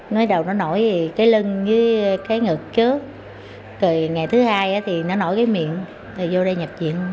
nói đầu nó nổi thì cái lưng với cái ngực trước rồi ngày thứ hai thì nó nổi cái miệng rồi vô đây nhập chuyện